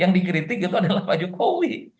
yang dikritik itu adalah pak jokowi